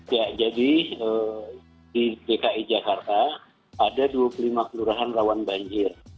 ya jadi di dki jakarta ada dua puluh lima kelurahan rawan banjir